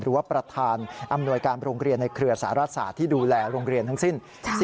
หรือว่าประธานอำนวยการโรงเรียนในเครือสารศาสตร์ที่ดูแลโรงเรียนทั้งสิ้น